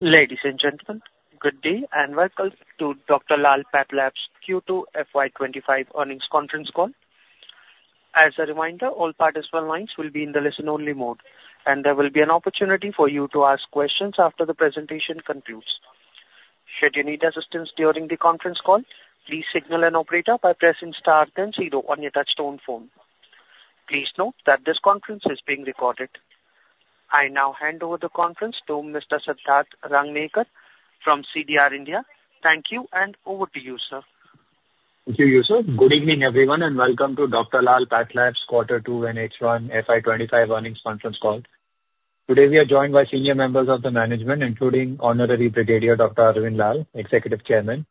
Ladies and gentlemen, good day, and welcome to Dr. Lal PathLabs Q2 FY25 earnings conference call. As a reminder, all participant lines will be in the listen-only mode, and there will be an opportunity for you to ask questions after the presentation concludes. Should you need assistance during the conference call, please signal an operator by pressing star then zero on your touchtone phone. Please note that this conference is being recorded. I now hand over the conference to Mr. Siddharth Rangnekar from CDR India. Thank you, and over to you, sir. Thank you, Yusuf. Good evening, everyone, and welcome to Dr. Lal PathLabs Quarter Two and H1 FY 25 earnings conference call. Today, we are joined by senior members of the management, including Honorary Brigadier Dr. Arvind Lal, Executive Chairman,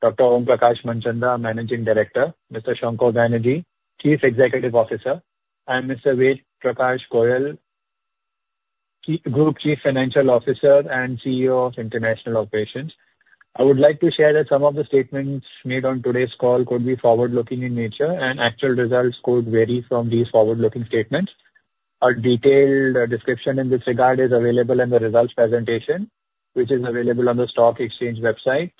Dr. Om Prakash Manchanda, Managing Director, Mr. Shankha Banerjee, Chief Executive Officer, and Mr. Ved Prakash Goel, Group Chief Financial Officer and CEO of International Operations. I would like to share that some of the statements made on today's call could be forward-looking in nature, and actual results could vary from these forward-looking statements. A detailed description in this regard is available in the results presentation, which is available on the stock exchange website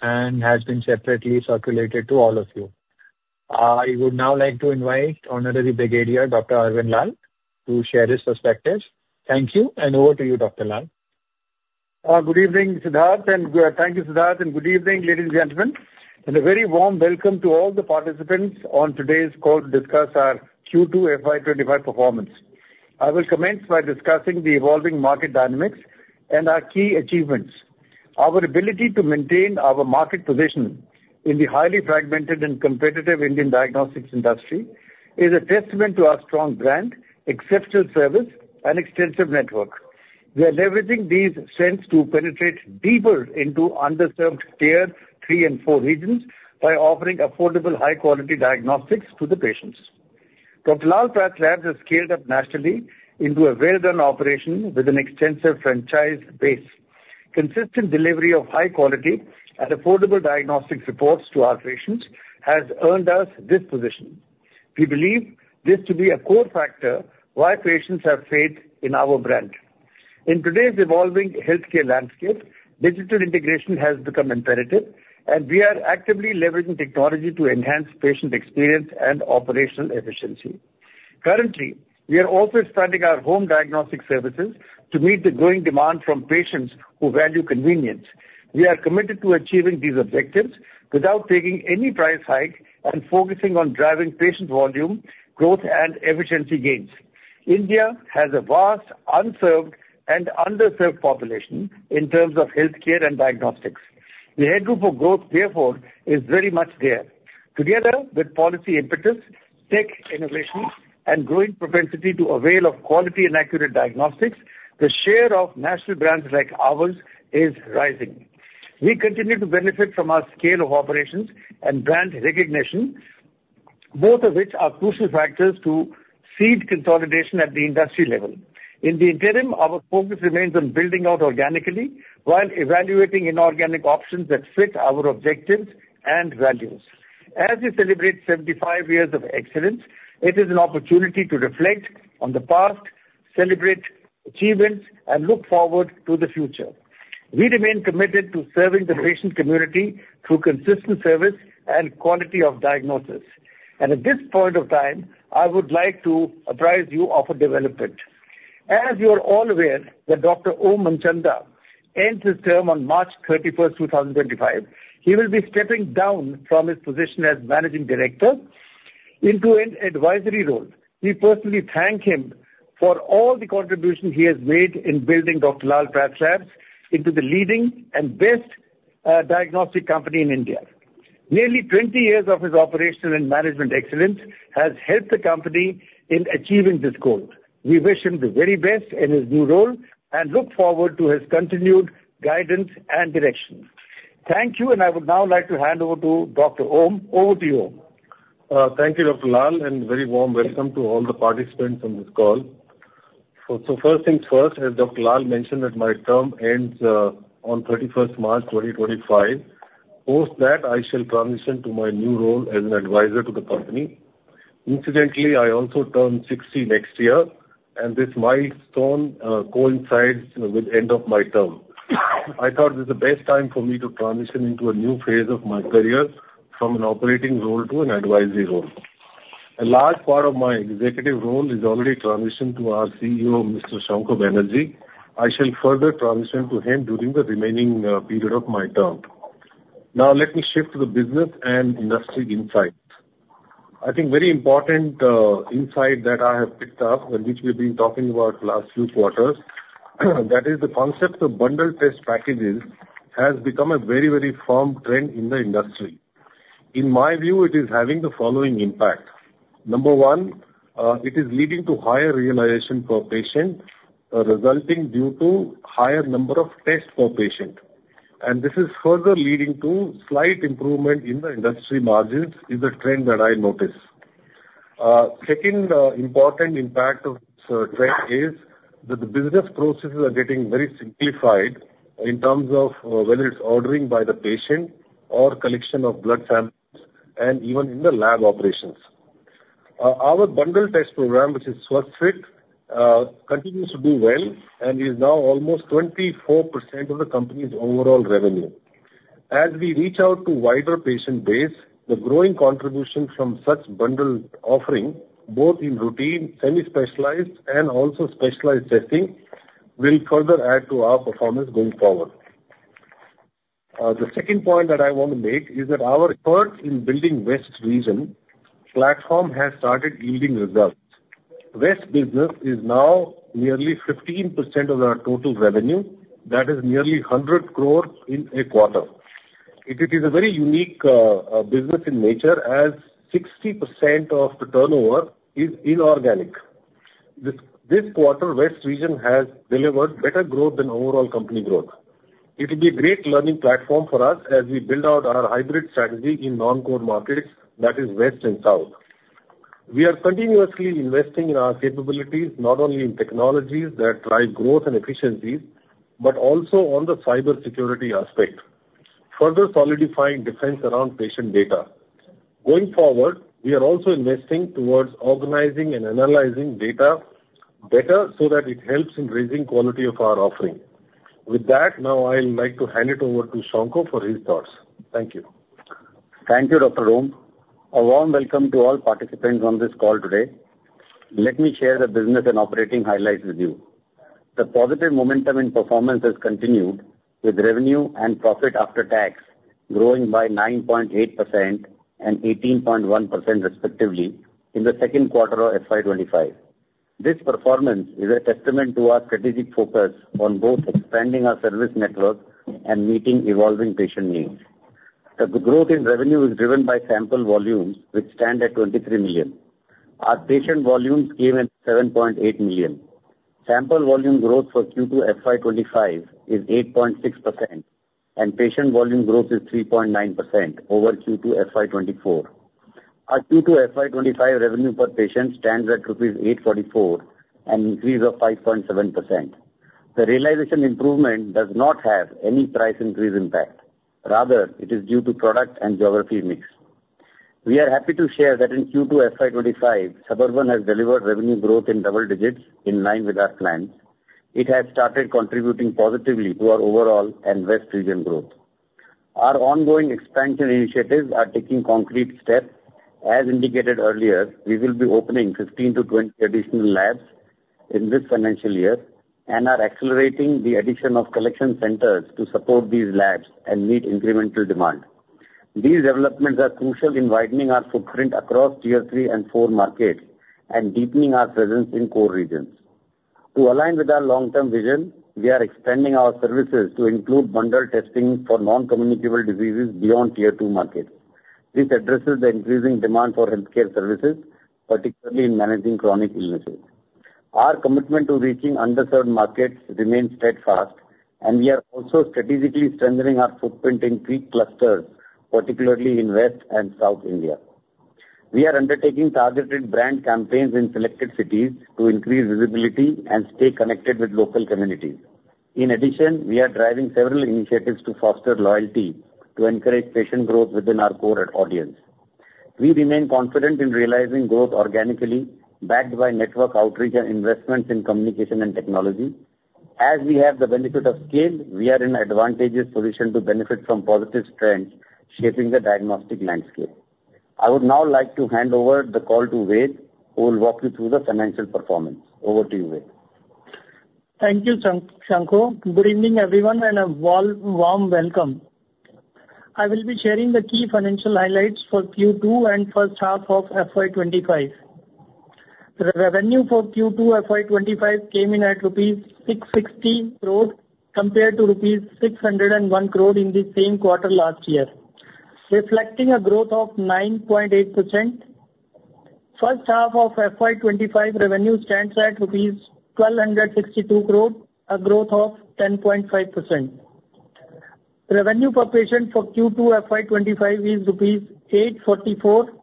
and has been separately circulated to all of you. I would now like to invite Honorary Brigadier Dr. Arvind Lal, to share his perspectives. Thank you, and over to you, Dr. Lal. Good evening, Siddharth, and thank you, Siddharth, and good evening, ladies and gentlemen, and a very warm welcome to all the participants on today's call to discuss our Q2 FY25 performance. I will commence by discussing the evolving market dynamics and our key achievements. Our ability to maintain our market position in the highly fragmented and competitive Indian diagnostics industry is a testament to our strong brand, exceptional service, and extensive network. We are leveraging these strengths to penetrate deeper into underserved Tier 3 and 4 regions by offering affordable, high-quality diagnostics to the patients. Dr. Lal PathLabs has scaled up nationally into a well-done operation with an extensive franchise base. Consistent delivery of high quality and affordable diagnostic reports to our patients has earned us this position. We believe this to be a core factor why patients have faith in our brand. In today's evolving healthcare landscape, digital integration has become imperative, and we are actively leveraging technology to enhance patient experience and operational efficiency. Currently, we are also starting our home diagnostic services to meet the growing demand from patients who value convenience. We are committed to achieving these objectives without taking any price hike and focusing on driving patient volume, growth, and efficiency gains. India has a vast, unserved, and underserved population in terms of healthcare and diagnostics. The headroom for growth, therefore, is very much there. Together with policy impetus, tech innovation, and growing propensity to avail of quality and accurate diagnostics, the share of national brands like ours is rising. We continue to benefit from our scale of operations and brand recognition, both of which are crucial factors to seed consolidation at the industry level. In the interim, our focus remains on building out organically while evaluating inorganic options that fit our objectives and values. As we celebrate seventy-five years of excellence, it is an opportunity to reflect on the past, celebrate achievements, and look forward to the future. We remain committed to serving the patient community through consistent service and quality of diagnosis. At this point of time, I would like to apprise you of a development. As you are all aware, that Dr. Om Manchanda ends his term on March thirty-first, two thousand twenty-five. He will be stepping down from his position as managing director into an advisory role. We personally thank him for all the contribution he has made in building Dr. Lal PathLabs into the leading and best diagnostic company in India. Nearly twenty years of his operational and management excellence has helped the company in achieving this goal. We wish him the very best in his new role and look forward to his continued guidance and direction. Thank you, and I would now like to hand over to Dr. Om. Over to you, Om. Thank you, Dr. Lal, and a very warm welcome to all the participants on this call. So, first things first, as Dr. Lal mentioned, that my term ends on thirty-first March, twenty twenty-five. Post that, I shall transition to my new role as an advisor to the company. Incidentally, I also turn sixty next year, and this milestone coincides with end of my term. I thought this is the best time for me to transition into a new phase of my career from an operating role to an advisory role. A large part of my executive role is already transitioned to our CEO, Mr. Shankha Banerjee. I shall further transition to him during the remaining period of my term. Now let me shift to the business and industry insights. I think very important insight that I have picked up, and which we've been talking about last few quarters, that is the concept of bundle test packages, has become a very, very firm trend in the industry. In my view, it is having the following impact: Number one, it is leading to higher realization per patient, resulting due to higher number of tests per patient. And this is further leading to slight improvement in the industry margins, is the trend that I notice. Second, important impact of this trend is that the business processes are getting very simplified in terms of whether it's ordering by the patient or collection of blood samples and even in the lab operations. Our bundle test program, which is SwasthFit, continues to do well and is now almost 24% of the company's overall revenue. As we reach out to wider patient base, the growing contribution from such bundled offering, both in routine, semi-specialized, and also specialized testing, will further add to our performance going forward. The second point that I want to make is that our effort in building West region platform has started yielding results. West business is now nearly 15% of our total revenue. That is nearly 100 crore in a quarter. It is a very unique business in nature, as 60% of the turnover is inorganic. This quarter, West region has delivered better growth than overall company growth. It will be a great learning platform for us as we build out our hybrid strategy in non-core markets, that is West and South. We are continuously investing in our capabilities, not only in technologies that drive growth and efficiencies, but also on the cybersecurity aspect, further solidifying defense around patient data. Going forward, we are also investing towards organizing and analyzing data better, so that it helps in raising quality of our offering. With that, now I'd like to hand it over to Shankha for his thoughts. Thank you. Thank you, Dr. Om. A warm welcome to all participants on this call today. Let me share the business and operating highlights with you. The positive momentum and performance has continued, with revenue and profit after tax growing by 9.8% and 18.1%, respectively, in the second quarter of FY 2025. This performance is a testament to our strategic focus on both expanding our service network and meeting evolving patient needs. The growth in revenue is driven by sample volumes, which stand at 23 million. Our patient volumes came in 7.8 million. Sample volume growth for Q2 FY 2025 is 8.6%, and patient volume growth is 3.9% over Q2 FY 2024. Our Q2 FY 2025 revenue per patient stands at rupees 844, an increase of 5.7%. The realization improvement does not have any price increase impact. Rather, it is due to product and geography mix. We are happy to share that in Q2 FY 2025, Suburban has delivered revenue growth in double digits in line with our plans. It has started contributing positively to our overall and West region growth. Our ongoing expansion initiatives are taking concrete steps. As indicated earlier, we will be opening 15 to 20 additional labs in this financial year and are accelerating the addition of collection centers to support these labs and meet incremental demand. These developments are crucial in widening our footprint across Tier 3 and 4 markets and deepening our presence in core regions. To align with our long-term vision, we are expanding our services to include bundled testing for non-communicable diseases beyond Tier 2 markets. This addresses the increasing demand for healthcare services, particularly in managing chronic illnesses. Our commitment to reaching underserved markets remains steadfast, and we are also strategically strengthening our footprint in key clusters, particularly in West and South India. We are undertaking targeted brand campaigns in selected cities to increase visibility and stay connected with local communities. In addition, we are driving several initiatives to foster loyalty, to encourage patient growth within our core audience. We remain confident in realizing growth organically, backed by network outreach and investments in communication and technology. As we have the benefit of scale, we are in advantageous position to benefit from positive trends shaping the diagnostic landscape. I would now like to hand over the call to Ved, who will walk you through the financial performance. Over to you, Ved. Thank you, Shankha, Shankha. Good evening, everyone, and a warm, warm welcome. I will be sharing the key financial highlights for Q2 and first half of FY 2025. Revenue for Q2 FY 2025 came in at rupees 660 crore, compared to rupees 601 crore in the same quarter last year, reflecting a growth of 9.8%. First half of FY 2025 revenue stands at INR 1,262 crore, a growth of 10.5%. Revenue per patient for Q2 FY 2025 is 844 rupees,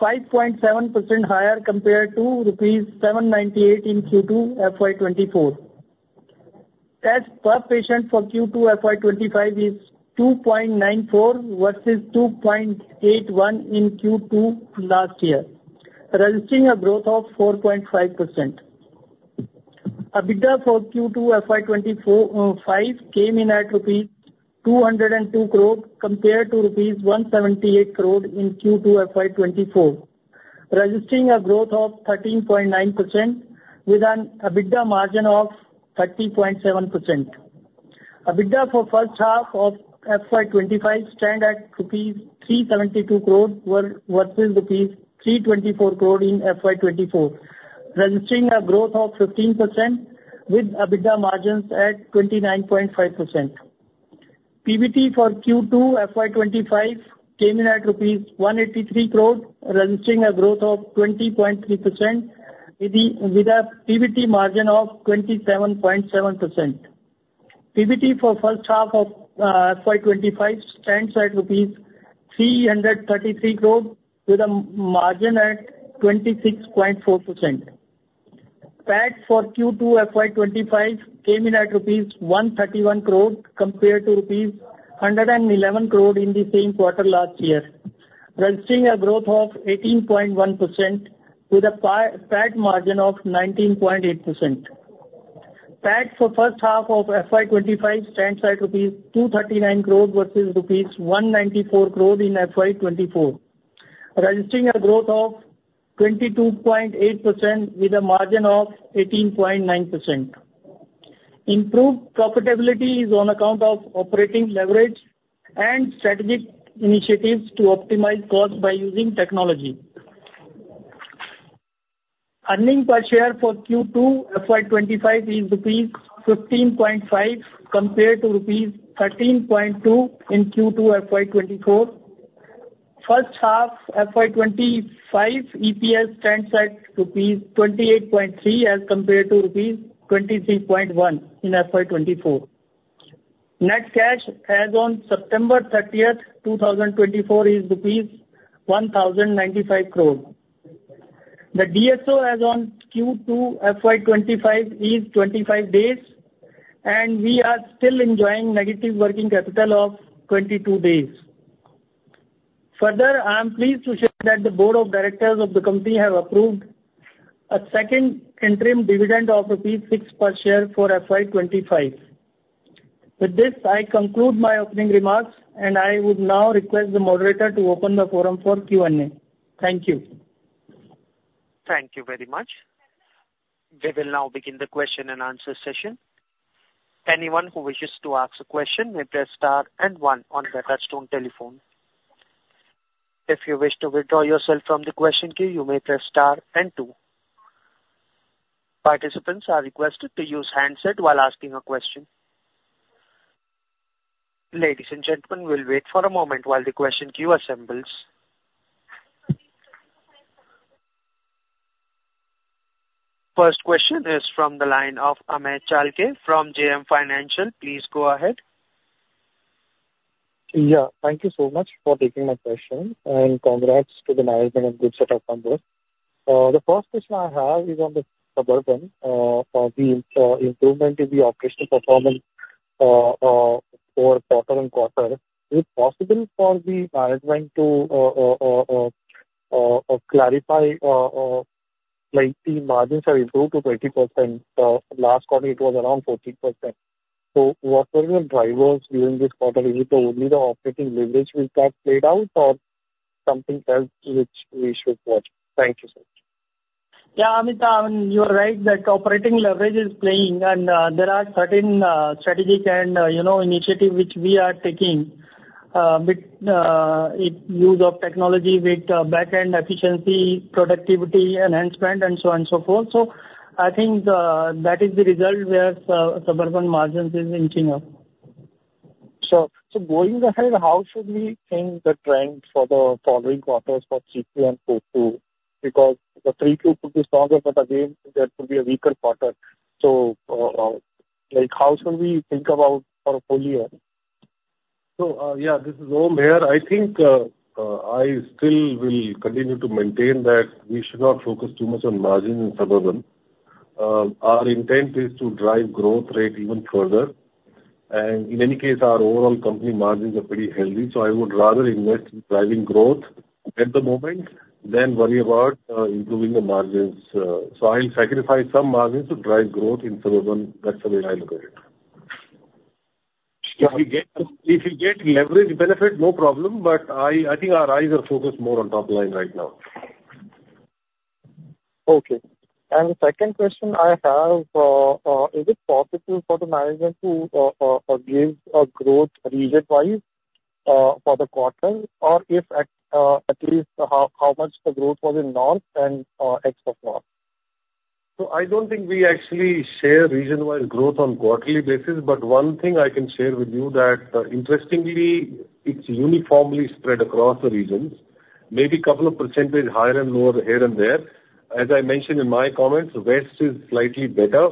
5.7% higher compared to 798 rupees in Q2 FY 2024. Tests per patient for Q2 FY 2025 is 2.94 versus 2.81 in Q2 last year, registering a growth of 4.5%. EBITDA for Q2 FY 2025 came in at INR 202 crore, compared to INR 178 crore in Q2 FY 2024, registering a growth of 13.9% with an EBITDA margin of 30.7%. EBITDA for first half of FY 2025 stands at rupees 372 crore, versus rupees 324 crore in FY 2024, registering a growth of 15% with EBITDA margins at 29.5%. PBT for Q2 FY 2025 came in at INR 183 crore, registering a growth of 20.3%, with a PBT margin of 27.7%. PBT for first half of FY 2025 stands at rupees 333 crore, with a margin at 26.4%. PAT for Q2 FY 2025 came in at rupees 131 crore, compared to rupees 111 crore in the same quarter last year, registering a growth of 18.1% with a PAT margin of 19.8%. PAT for first half of FY 2025 stands at INR 239 crore versus INR 194 crore in FY 2024, registering a growth of 22.8% with a margin of 18.9%. Improved profitability is on account of operating leverage and strategic initiatives to optimize costs by using technology. Earnings per share for Q2 FY 2025 is rupees 15.5, compared to rupees 13.2 in Q2 FY 2024. First half FY 2025 EPS stands at rupees 28.3, as compared to rupees 23.1 in FY 2024. Net cash as on September 30th, 2024, is rupees 1,095 crore. The DSO as on Q2 FY 2025 is 25 days, and we are still enjoying negative working capital of 22 days. Further, I am pleased to share that the board of directors of the company have approved a second interim dividend of 6 per share for FY 2025. With this, I conclude my opening remarks, and I would now request the moderator to open the forum for Q&A. Thank you. Thank you very much. We will now begin the question and answer session. Anyone who wishes to ask a question may press star and one on their touchtone telephone. If you wish to withdraw yourself from the question queue, you may press star and two. Participants are requested to use handset while asking a question. Ladies and gentlemen, we'll wait for a moment while the question queue assembles. First question is from the line of Amey Chalke from JM Financial. Please go ahead. Yeah, thank you so much for taking my question, and congrats to the management on good set of numbers. The first question I have is on the Suburban, the improvement in the overall performance quarter on quarter. Is it possible for the management to clarify, like, the margins are improved to 30%? Last quarter it was around 14%. So what were the drivers during this quarter? Is it only the operating leverage which got played out or something else which we should watch? Thank you, sir. Yeah, Amey, you are right that operating leverage is playing, and there are certain strategic and, you know, initiative which we are taking with use of technology, with back-end efficiency, productivity enhancement and so on and so forth. So I think that is the result where Suburban margins is inching up. Sure. So going ahead, how should we think the trend for the following quarters for Q3 and Q2? Because the Q3 could be stronger, but again, there could be a weaker quarter. So, like, how should we think about our full year? So, yeah, this is Om here. I think, I still will continue to maintain that we should not focus too much on margin in Suburban. Our intent is to drive growth rate even further, and in any case, our overall company margins are pretty healthy, so I would rather invest in driving growth at the moment than worry about improving the margins. So I'll sacrifice some margins to drive growth in Suburban. That's the way I look at it. If we get leverage benefit, no problem, but I think our eyes are focused more on top line right now. Okay. And the second question I have, is it possible for the management to give a growth region-wise for the quarter, or if at least how much the growth was in North and East of North? I don't think we actually share region-wide growth on quarterly basis, but one thing I can share with you that, interestingly, it's uniformly spread across the regions, maybe couple of percentage higher and lower here and there. As I mentioned in my comments, West is slightly better.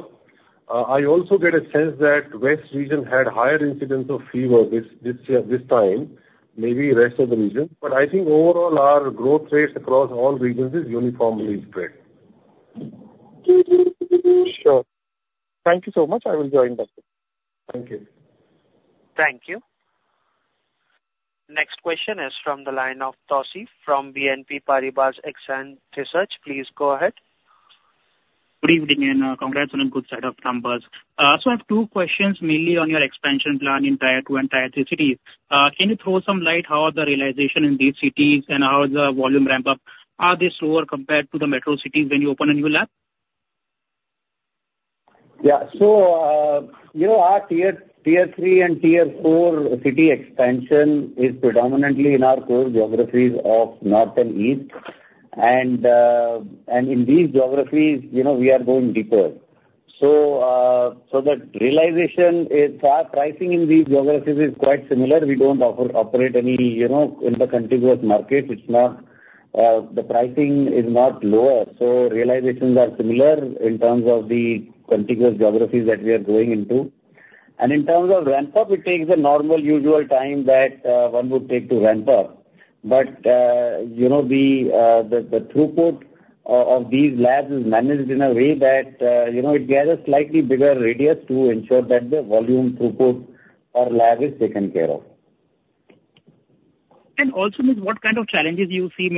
I also get a sense that West region had higher incidence of fever this year, this time, maybe rest of the region. But I think overall, our growth rates across all regions is uniformly spread. Sure. Thank you so much. I will join back in. Thank you. Thank you. Next question is from the line of Tauseef from BNP Paribas Exane Research. Please go ahead. Good evening, and congrats on a good set of numbers. So I have two questions, mainly on your expansion plan in Tier 2 and Tier 3 cities. Can you throw some light how are the realization in these cities and how is the volume ramp up? Are they slower compared to the metro cities when you open a new lab? Yeah. So, you know, our Tier 3 and Tier 4 city expansion is predominantly in our core geographies of north and east. And, and in these geographies, you know, we are going deeper. So, so the realization is our pricing in these geographies is quite similar. We don't operate any, you know, in the contiguous market. It's not, the pricing is not lower, so realizations are similar in terms of the contiguous geographies that we are going into. In terms of ramp up, it takes the normal usual time that one would take to ramp up. But you know, the throughput of these labs is managed in a way that you know, it gathers slightly bigger radius to ensure that the volume throughput per lab is taken care of. Also, what kind of challenges do you see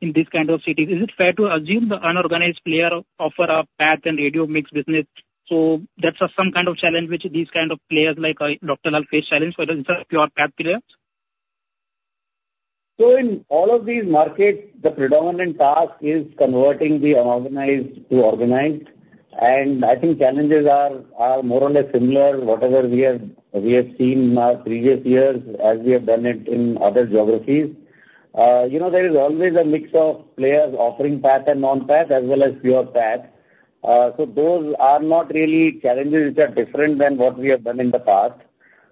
in these kind of cities? Is it fair to assume the unorganized player offer a pathology and radiology mix business, so that's some kind of challenge which these kind of players like Dr. Lal face challenge, whether it's a pure pathology player? So in all of these markets, the predominant task is converting the unorganized to organized. And I think challenges are more or less similar, whatever we have, we have seen in our previous years as we have done it in other geographies. You know, there is always a mix of players offering path and non-path, as well as pure path. So those are not really challenges which are different than what we have done in the past.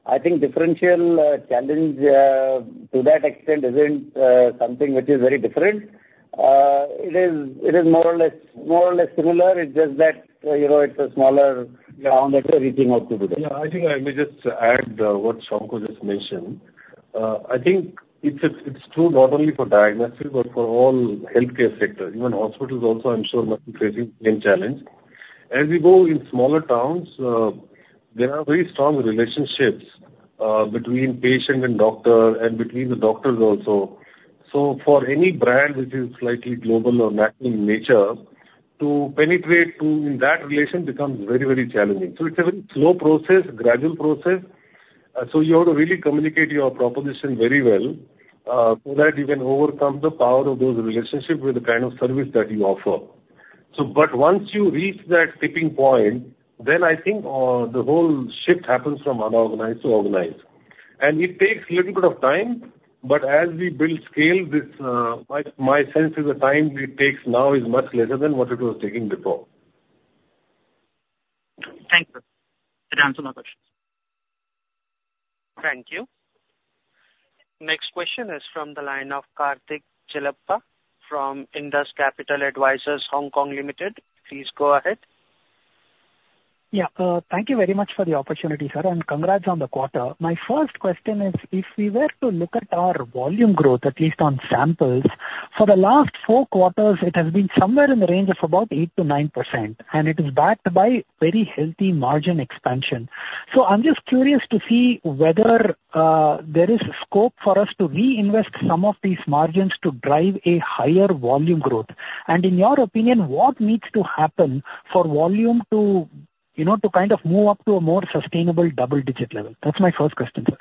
I think differential challenge to that extent isn't something which is very different. It is more or less similar. It's just that, you know, it's a smaller town that we're reaching out to today. Yeah, I think I may just add what Shankha just mentioned. I think it's true not only for diagnostic, but for all healthcare sectors. Even hospitals also, I'm sure, must be facing same challenge. As we go in smaller towns, there are very strong relationships between patient and doctor and between the doctors also. So for any brand which is slightly global or national in nature, to penetrate to in that relation becomes very, very challenging. So it's a very slow process, gradual process. So you have to really communicate your proposition very well, so that you can overcome the power of those relationships with the kind of service that you offer. So but once you reach that tipping point, then I think the whole shift happens from unorganized to organized. And it takes a little bit of time, but as we build scale, this, my sense is the time it takes now is much lesser than what it was taking before. Thank you. That answers my questions. Thank you. Next question is from the line of Karthik Chellappa from Indus Capital Advisors, Hong Kong, Limited. Please go ahead. Yeah, thank you very much for the opportunity, sir, and congrats on the quarter. My first question is, if we were to look at our volume growth, at least on samples, for the last four quarters, it has been somewhere in the range of about 8-9%, and it is backed by very healthy margin expansion. So I'm just curious to see whether there is scope for us to reinvest some of these margins to drive a higher volume growth. And in your opinion, what needs to happen for volume to, you know, to kind of move up to a more sustainable double digit level? That's my first question, sir.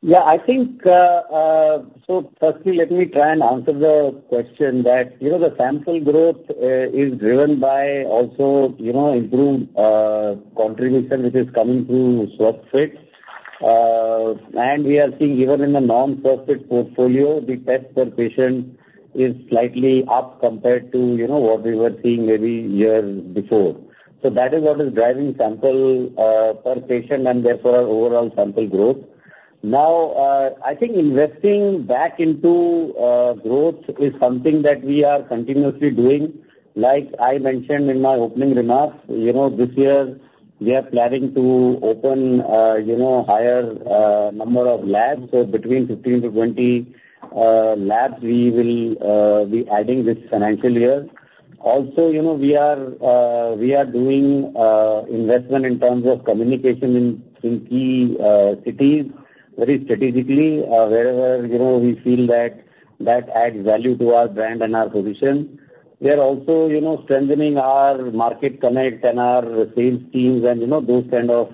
Yeah, I think, so firstly, let me try and answer the question that, you know, the sample growth is driven by also, you know, improved contribution, which is coming through SwasthFit. And we are seeing even in the non-SwasthFit portfolio, the test per patient is slightly up compared to, you know, what we were seeing maybe years before. So that is what is driving sample per patient, and therefore our overall sample growth. Now, I think investing back into growth is something that we are continuously doing. Like I mentioned in my opening remarks, you know, this year we are planning to open, you know, higher number of labs. So between 15 to 20 labs, we will be adding this financial year. Also, you know, we are doing investment in terms of communication in key cities very strategically, wherever, you know, we feel that that adds value to our brand and our position. We are also, you know, strengthening our market connect and our sales teams, and, you know, those kind of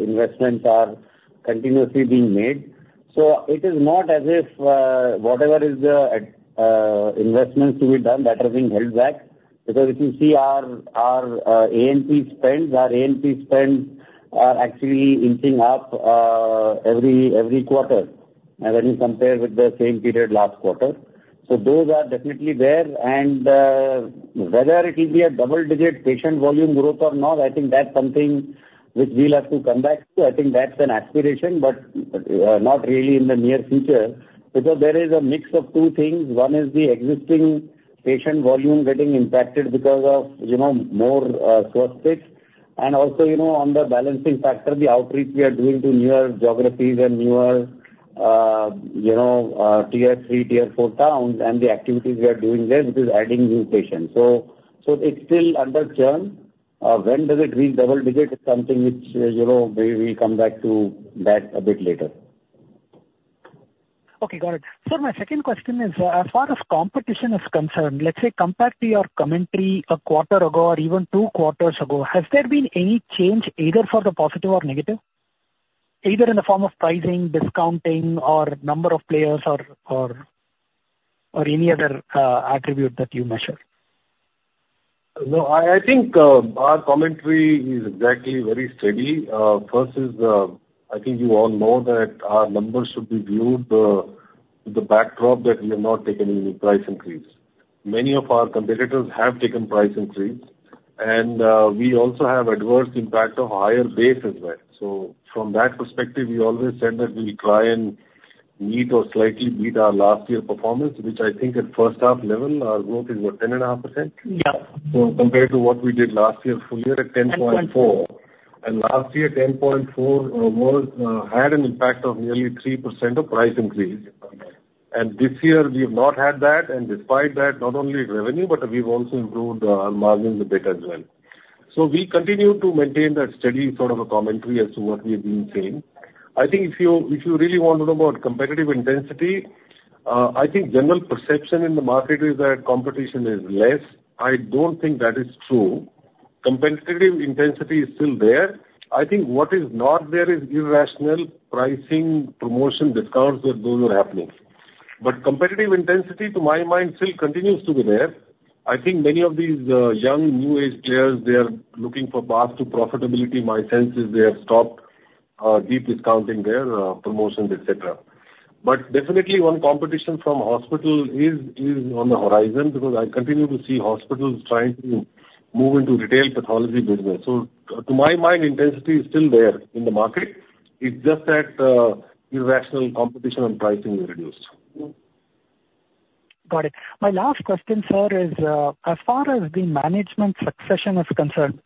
investments are continuously being made. So it is not as if whatever is the investments to be done, that are being held back. Because if you see our A&P spends, our A&P spends are actually inching up every quarter when you compare with the same period last quarter. So those are definitely there. And whether it will be a double-digit patient volume growth or not, I think that's something which we'll have to come back to. I think that's an aspiration, but not really in the near future, because there is a mix of two things. One is the existing patient volume getting impacted because of, you know, more SwasthFit. And also, you know, on the balancing factor, the outreach we are doing to newer geographies and newer Tier 3, Tier 4 towns, and the activities we are doing there, which is adding new patients. So it's still under churn. When does it reach double digit? Is something which, you know, maybe we'll come back to that a bit later. Okay, got it. Sir, my second question is, as far as competition is concerned, let's say compared to your commentary a quarter ago or even two quarters ago, has there been any change either for the positive or negative, either in the form of pricing, discounting, or number of players or any other attribute that you measure? No, I think, our commentary is exactly very steady. First is, I think you all know that our numbers should be viewed, with the backdrop that we have not taken any price increase. Many of our competitors have taken price increase, and, we also have adverse impact of higher base as well. So from that perspective, we always said that we'll try and meet or slightly beat our last year performance, which I think at first half level, our growth is about 10.5%. Yeah. So compared to what we did last year, full year at 10.4. 10.4. Last year, ten point four was had an impact of nearly 3% of price increase. This year, we have not had that, and despite that, not only revenue, but we've also improved our margins a bit as well. We continue to maintain that steady sort of a commentary as to what we have been saying. I think if you, if you really want to know about competitive intensity, I think general perception in the market is that competition is less. I don't think that is true. Competitive intensity is still there. I think what is not there is irrational pricing, promotion, discounts, that those are happening. But competitive intensity, to my mind, still continues to be there. I think many of these young, new age players, they are looking for path to profitability. My sense is they have stopped deep discounting their promotions, et cetera. But definitely one competition from hospital is on the horizon, because I continue to see hospitals trying to move into retail pathology business. So to my mind, intensity is still there in the market. It's just that irrational competition on pricing reduced. Got it. My last question, sir, is, as far as the management succession is concerned,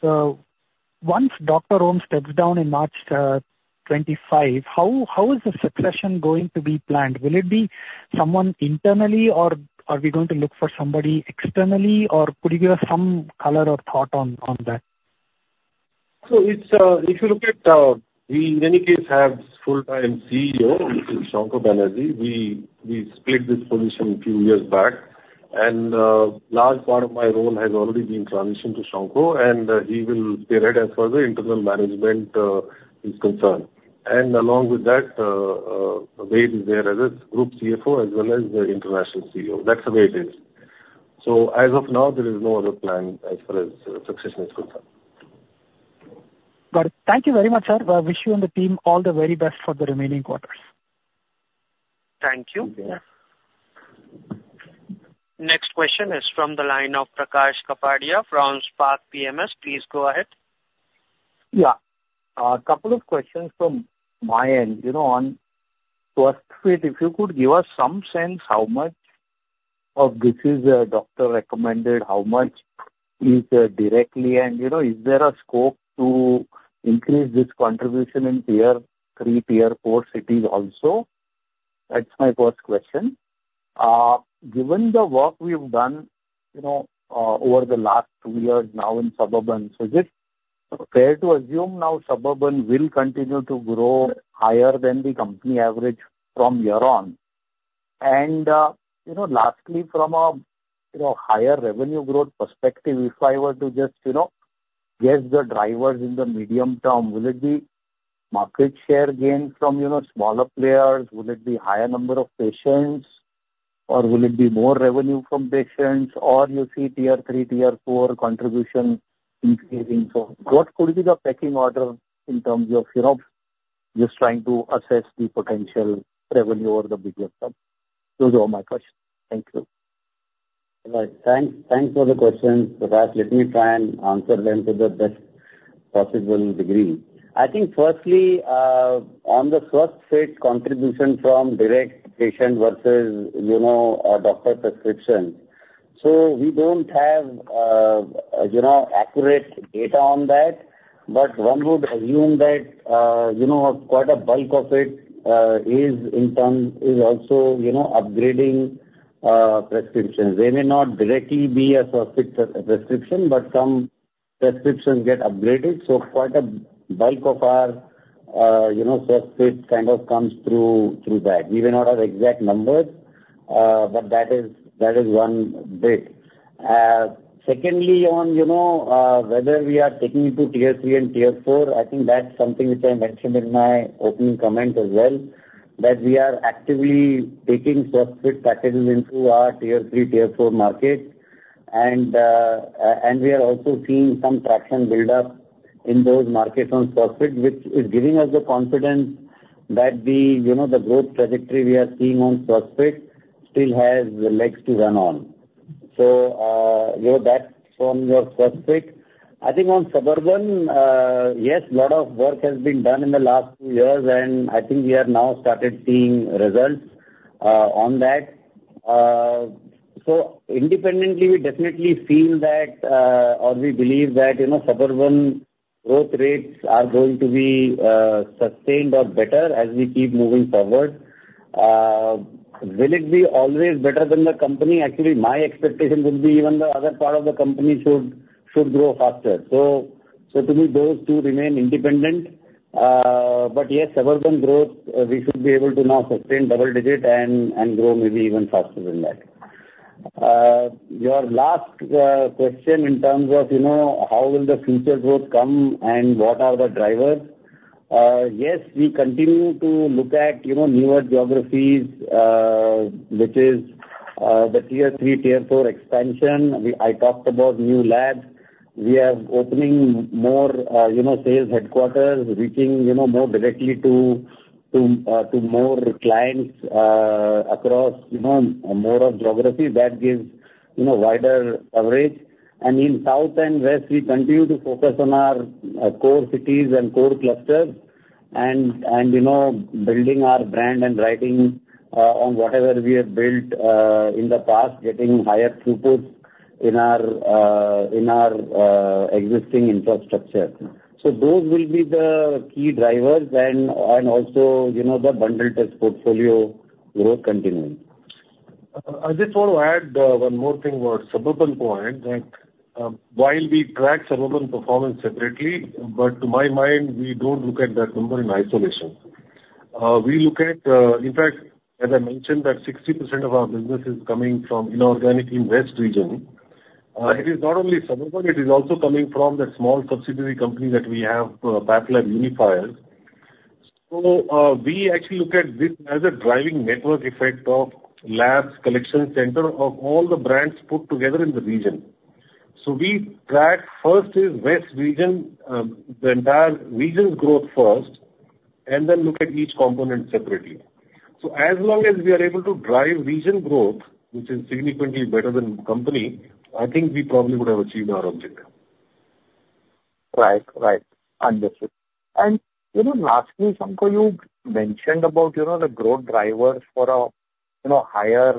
once Dr. Om steps down in March 2025, how is the succession going to be planned? Will it be someone internally, or are we going to look for somebody externally, or could you give us some color or thought on that? So it's if you look at, we in any case have full-time CEO, which is Shankha Banerjee. We split this position a few years back, and large part of my role has already been transitioned to Shankha, and he will stay right as far as the internal management is concerned. And along with that, Ved is there as a group CFO as well as the international CEO. That's the way it is. So as of now, there is no other plan as far as succession is concerned. Got it. Thank you very much, sir. I wish you and the team all the very best for the remaining quarters. Thank you. Yeah. Next question is from the line of Prakash Kapadia from Spark PMS. Please go ahead. Yeah. Couple of questions from my end. You know, on SwasthFit, if you could give us some sense how much of this is doctor-recommended, how much is directly? And, you know, is there a scope to increase this contribution in Tier 3, Tier 4 cities also? That's my first question. Given the work we've done, you know, over the last two years now in Suburban, so is it fair to assume now Suburban will continue to grow higher than the company average from here on? And, you know, lastly, from a higher revenue growth perspective, if I were to just guess the drivers in the medium term, will it be market share gains from smaller players? Will it be higher number of patients, or will it be more revenue from patients, or you see Tier 3, Tier 4 contribution increasing? So what could be the pecking order in terms of, you know, just trying to assess the potential revenue over the longer term? Those are my questions. Thank you. All right. Thanks for the questions, Prakash. Let me try and answer them to the best possible degree. I think firstly, on the SwasthFit contribution from direct patient versus, you know, a doctor prescription. So we don't have, you know, accurate data on that, but one would assume that, you know, quite a bulk of it is also, you know, upgrading prescriptions. They may not directly be a SwasthFit prescription, but some prescriptions get upgraded, so quite a bulk of our, you know, SwasthFit kind of comes through that. We may not have exact numbers, but that is one bit. Secondly, on, you know, whether we are taking it to Tier 3 and Tier 4, I think that's something which I mentioned in my opening comments as well, that we are actively taking SwasthFit packages into our Tier 3, Tier 4 markets. And we are also seeing some traction build up in those markets on SwasthFit, which is giving us the confidence that the, you know, the growth trajectory we are seeing on SwasthFit still has the legs to run on. So, you know, that from your SwasthFit. I think on Suburban, yes, a lot of work has been done in the last few years, and I think we have now started seeing results, on that. So independently, we definitely feel that, or we believe that, you know, Suburban growth rates are going to be sustained or better as we keep moving forward. Will it be always better than the company? Actually, my expectation would be even the other part of the company should grow faster. So to me, those two remain independent. But yes, Suburban growth, we should be able to now sustain double digit and grow maybe even faster than that. Your last question in terms of, you know, how will the future growth come and what are the drivers? Yes, we continue to look at, you know, newer geographies, which is the Tier 3, Tier 4 expansion. I talked about new labs. We are opening more, you know, sales headquarters, reaching, you know, more directly to more clients.... across, you know, more of geography that gives, you know, wider average. And in south and west, we continue to focus on our core cities and core clusters and, you know, building our brand and riding on whatever we have built in the past, getting higher throughput in our existing infrastructure. So those will be the key drivers and also, you know, the bundled test portfolio growth continuing. I just want to add, one more thing about Suburban point, that, while we track Suburban performance separately, but to my mind, we don't look at that number in isolation. We look at, in fact, as I mentioned, that 60% of our business is coming from inorganic in West region. It is not only Suburban, it is also coming from the small subsidiary company that we have, PathLabs Unifier. So, we actually look at this as a driving network effect of labs, collection center of all the brands put together in the region. So we track first is West region, the entire region's growth first, and then look at each component separately. So as long as we are able to drive region growth, which is significantly better than company, I think we probably would have achieved our objective. Right. Right. Understood. And, you know, lastly, Shankha, you mentioned about, you know, the growth drivers for a, you know, higher,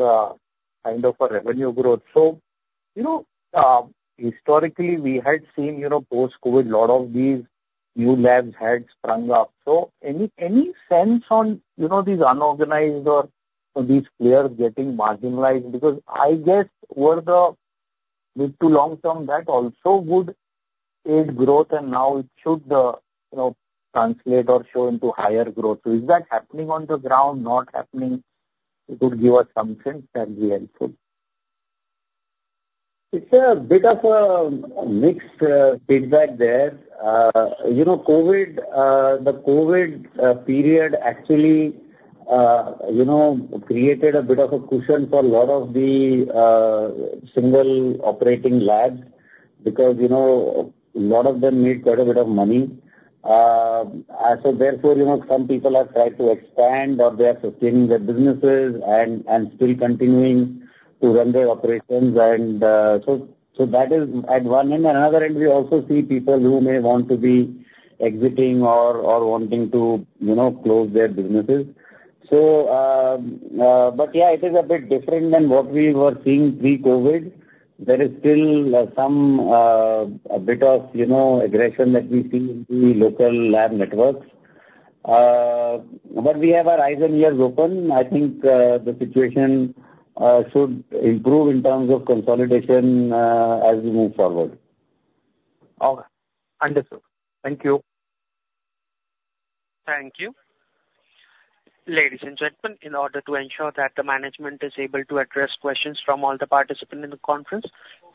kind of a revenue growth. So, you know, historically, we had seen, you know, post-COVID, a lot of these new labs had sprung up. So any sense on, you know, these unorganized or these players getting marginalized? Because I guess over the mid to long term, that also would aid growth, and now it should, you know, translate or show into higher growth. So is that happening on the ground, not happening? If you could give us some sense, that'd be helpful. It's a bit of a mixed feedback there. You know, COVID, the COVID period, actually, you know, created a bit of a cushion for a lot of the single operating labs, because, you know, a lot of them made quite a bit of money. So therefore, you know, some people have tried to expand or they are sustaining their businesses and still continuing to run their operations. So that is at one end. At another end, we also see people who may want to be exiting or wanting to, you know, close their businesses. So, but yeah, it is a bit different than what we were seeing pre-COVID. There is still some a bit of, you know, aggression that we see in the local lab networks. But we have our eyes and ears open. I think the situation should improve in terms of consolidation as we move forward. Okay. Understood. Thank you. Thank you. Ladies and gentlemen, in order to ensure that the management is able to address questions from all the participants in the conference,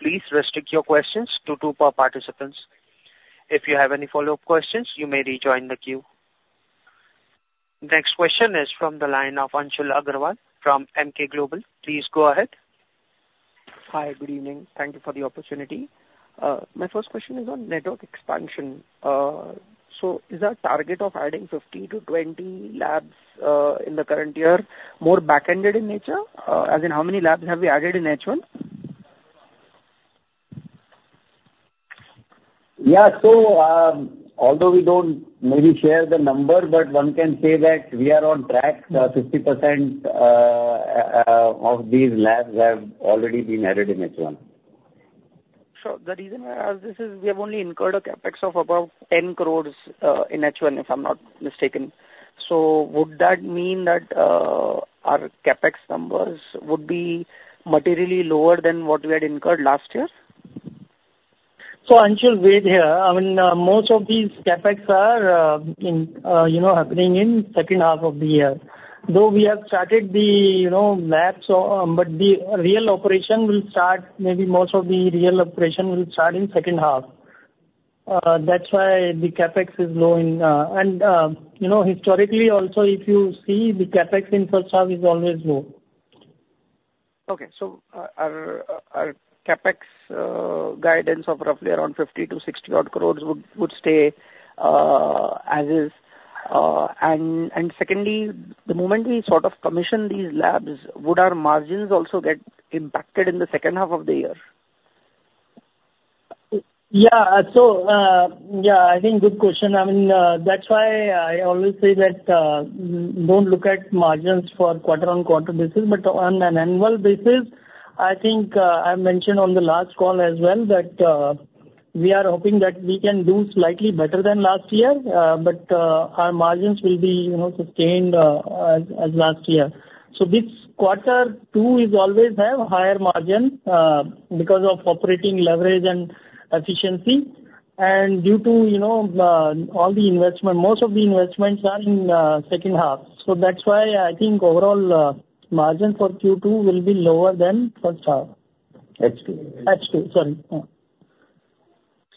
please restrict your questions to two per participants. If you have any follow-up questions, you may rejoin the queue. Next question is from the line of Anshul Agrawal from Emkay Global. Please go ahead. Hi, good evening. Thank you for the opportunity. My first question is on network expansion. So is our target of adding 50-70 labs in the current year more back-ended in nature? As in how many labs have we added in H1? Yeah. So, although we don't maybe share the number, but one can say that we are on track. 50% of these labs have already been added in H1. Sure. The reason I ask this is, we have only incurred a CapEx of about 10 crores in H1, if I'm not mistaken. So would that mean that our CapEx numbers would be materially lower than what we had incurred last year? So Anshul, wait here. I mean, most of these CapEx are, in, you know, happening in second half of the year. Though we have started the, you know, labs, but the real operation will start, maybe most of the real operation will start in second half. That's why the CapEx is low in... And, you know, historically also, if you see the CapEx in first half is always low. Okay. So, our CapEx guidance of roughly around 50-60-odd crore would stay as is. And secondly, the moment we sort of commission these labs, would our margins also get impacted in the second half of the year? Yeah. So, yeah, I think good question. I mean, that's why I always say that, don't look at margins for quarter on quarter basis, but on an annual basis, I think, I mentioned on the last call as well, that, we are hoping that we can do slightly better than last year, but, our margins will be, you know, sustained, as, as last year. So this quarter two is always have higher margin, because of operating leverage and efficiency, and due to, you know, all the investment, most of the investments are in, second half. So that's why I think overall, margin for Q2 will be lower than first half. H2. H2, sorry. Yeah.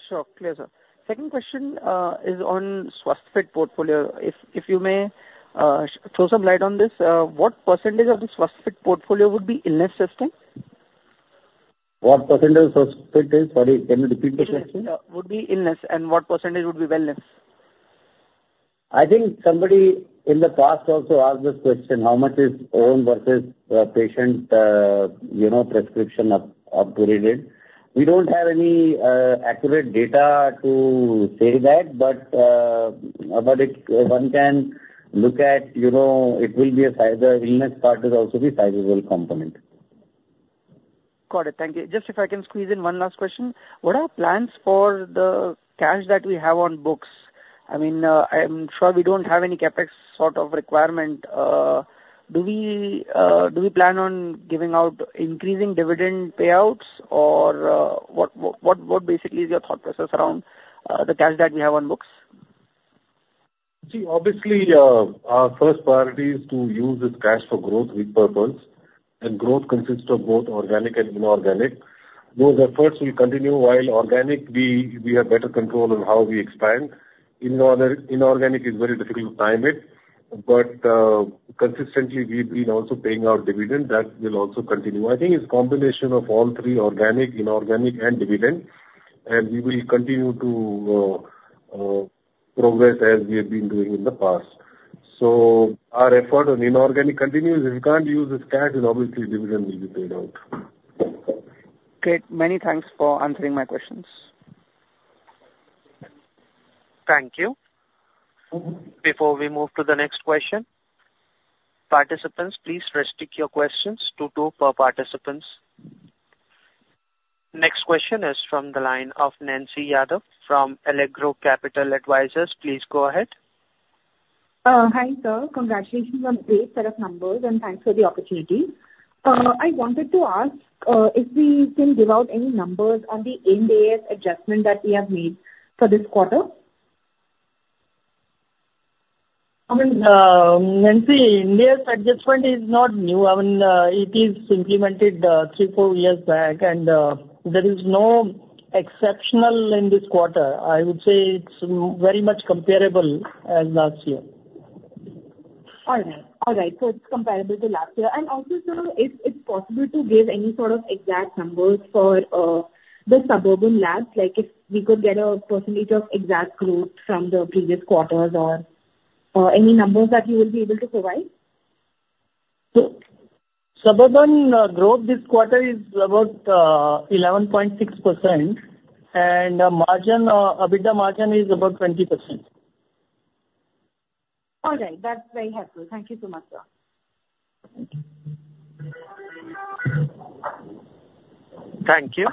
Sure. Clear, sir. Second question is on SwasthFit portfolio. If you may, throw some light on this, what percentage of the SwasthFit portfolio would be in this system? ...What percentage of SwasthFit is? Sorry, can you repeat the question? Would be illness, and what percentage would be wellness? I think somebody in the past also asked this question, how much is own versus patient, you know, prescription of period? We don't have any accurate data to say that, but it, one can look at, you know, it will be a size the illness part will also be sizable component. Got it. Thank you. Just if I can squeeze in one last question: What are our plans for the cash that we have on books? I mean, I'm sure we don't have any CapEx sort of requirement. Do we plan on giving out increasing dividend payouts? Or, what basically is your thought process around the cash that we have on books? See, obviously, our first priority is to use this cash for growth with purpose, and growth consists of both organic and inorganic. Those efforts will continue. While organic, we have better control on how we expand, inorganic is very difficult to time it, but consistently, we've been also paying our dividend, that will also continue. I think it's a combination of all three, organic, inorganic, and dividend, and we will continue to progress as we have been doing in the past. So our effort on inorganic continues. If we can't use this cash, then obviously dividend will be paid out. Great. Many thanks for answering my questions. Thank you. Before we move to the next question, participants, please restrict your questions to two per participants. Next question is from the line of Nancy Yadav from Allegro Capital Advisors. Please go ahead. Hi, sir. Congratulations on great set of numbers, and thanks for the opportunity. I wanted to ask if we can give out any numbers on the IND AS adjustment that we have made for this quarter? I mean, Nancy, IND AS adjustment is not new. I mean, it is implemented, three, four years back, and, there is no exceptional in this quarter. I would say it's very much comparable as last year. All right. All right, so it's comparable to last year, and also, sir, if it's possible to give any sort of exact numbers for the Suburban labs, like if we could get a percentage of exact growth from the previous quarters or any numbers that you will be able to provide? Suburban growth this quarter is about 11.6%, and margin, EBITDA margin is about 20%. All right. That's very helpful. Thank you so much, sir. Thank you.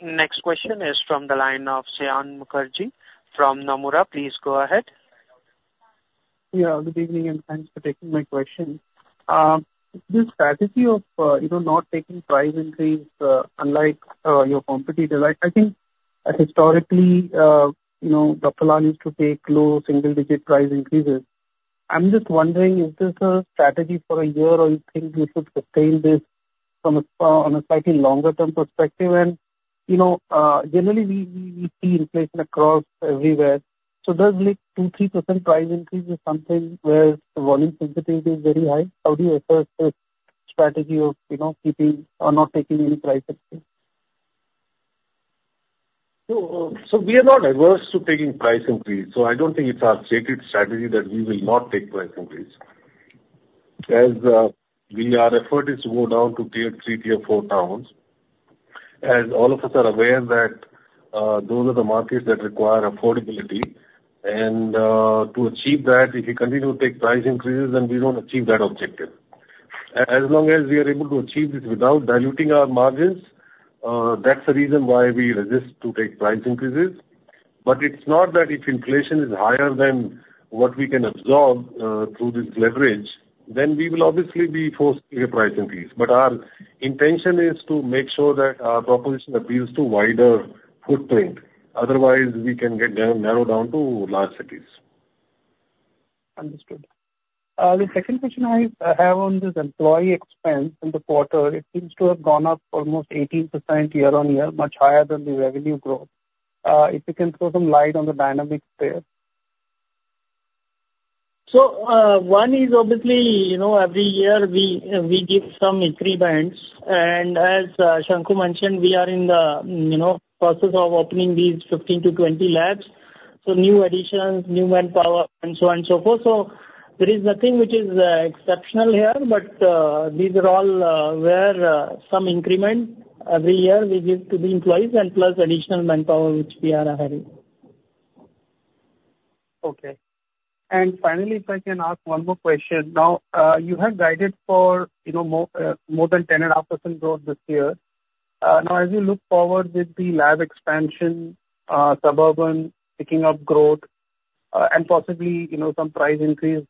Next question is from the line of Saion Mukherjee from Nomura. Please go ahead. Yeah, good evening, and thanks for taking my question. This strategy of, you know, not taking price increase, unlike, your competitor, I think historically, you know, Dr. Lal used to take low single-digit price increases. I'm just wondering, is this a strategy for a year, or you think you should sustain this from a, on a slightly longer term perspective? And, you know, generally, we see inflation across everywhere. So does this 2-3% price increase is something where the volume sensitivity is very high? How do you assess the strategy of, you know, keeping or not taking any price increase? So we are not averse to taking price increase, so I don't think it's our stated strategy that we will not take price increase. As our effort is to go down to Tier 3, Tier 4 towns, as all of us are aware that those are the markets that require affordability. And to achieve that, if you continue to take price increases, then we don't achieve that objective. As long as we are able to achieve this without diluting our margins, that's the reason why we resist to take price increases. But it's not that if inflation is higher than what we can absorb through this leverage, then we will obviously be forced to take a price increase. But our intention is to make sure that our proposition appeals to wider footprint, otherwise we can get narrow down to large cities. Understood. The second question I have on this employee expense in the quarter, it seems to have gone up almost 18% year on year, much higher than the revenue growth. If you can throw some light on the dynamics there. One is obviously, you know, every year we give some increments, and as Shankha mentioned, we are in the process of opening these 15-20 labs, so new additions, new manpower and so on and so forth. There is nothing which is exceptional here, but these are all where some increment every year we give to the employees and plus additional manpower, which we are adding. Okay. And finally, if I can ask one more question. Now, you have guided for, you know, more than 10.5% growth this year. Now, as you look forward with the lab expansion, Suburban picking up growth, and possibly, you know, some price increase,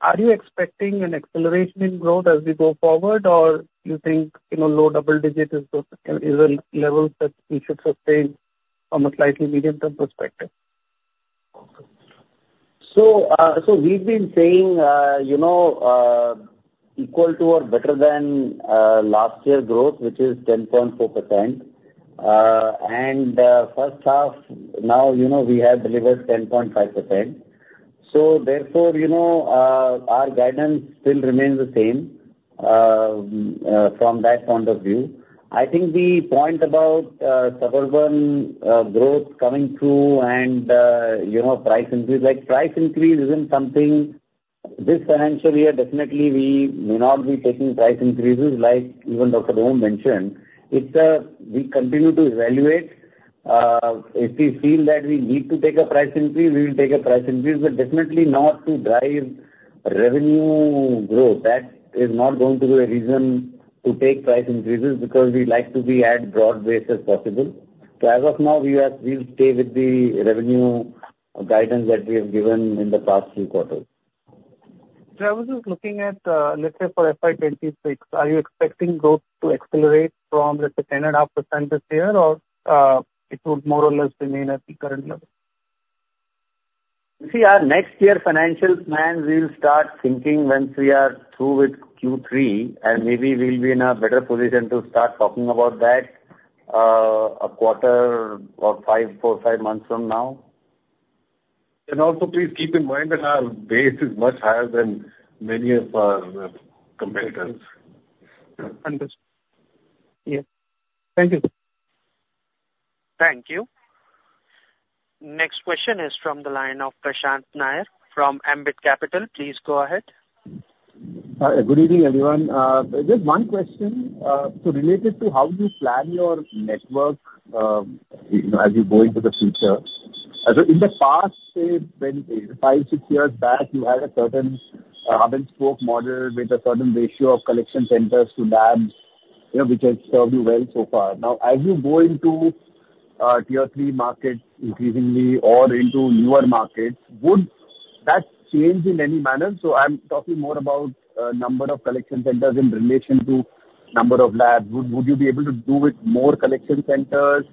are you expecting an acceleration in growth as we go forward, or you think, you know, low double digit is the, is a level that we should sustain from a slightly medium-term perspective? We've been saying, you know, equal to or better than last year's growth, which is 10.4%, and first half now, you know, we have delivered 10.5%, so therefore, you know, our guidance still remains the same from that point of view. I think the point about Suburban growth coming through and, you know, price increase, like, price increase isn't something this financial year, definitely we may not be taking price increases like even Dr. Om mentioned. It's we continue to evaluate. If we feel that we need to take a price increase, we will take a price increase, but definitely not to drive revenue growth. That is not going to be a reason to take price increases, because we like to be as broad-based as possible. So as of now, we'll stay with the revenue guidance that we have given in the past few quarters. Sir, I was just looking at, let's say for FY 2026, are you expecting growth to accelerate from, let's say, 10.5% this year, or it would more or less remain at the current level? You see, our next year financial plan, we'll start thinking once we are through with Q3, and maybe we'll be in a better position to start talking about that, a quarter or four or five months from now. Also, please keep in mind that our base is much higher than many of our competitors. Understood. Yeah. Thank you. Thank you. Next question is from the line of Prashant Nair from Ambit Capital. Please go ahead. Hi, good evening, everyone. Just one question. So related to how you plan your network, you know, as you go into the future. So in the past, say, when five, six years back, you had a certain hub-and-spoke model with a certain ratio of collection centers to labs, you know, which has served you well so far. Now, as you go into Tier 3 markets increasingly or into newer markets, would that change in any manner? So I'm talking more about number of collection centers in relation to number of labs. Would you be able to do with more collection centers